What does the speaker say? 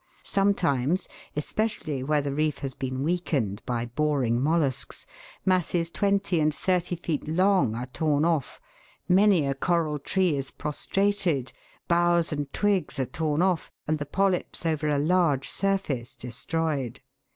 Sometimes, especially where the reef has been weakened by boring mollusks, masses twenty and thirty feet long are torn off, many a coral tree is pros trated, boughs and twigs are torn off, and the polyps over a large surface destroyed.